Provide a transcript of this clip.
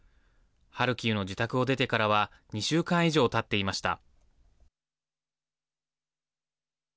ハルキウの自宅を出てからは２週間以上たっていました。